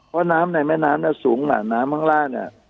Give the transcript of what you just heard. เพราะน้ำในแม่น้ำเนี่ยสูงล่ะน้ำข้างล่างเนี่ย